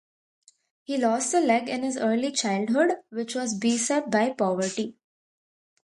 He lost a leg in his early childhood, which was beset by poverty.